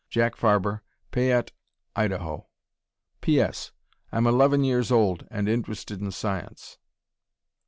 Jack Farber, Payette, Idaho. P. S. I am 11 years old and interested in science.